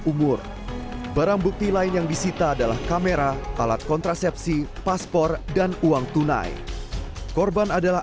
umur barang bukti lain yang disita adalah kamera alat kontrasepsi paspor dan uang tunai korban adalah